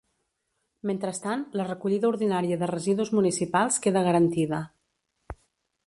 Mentrestant, la recollida ordinària de residus municipals queda garantida.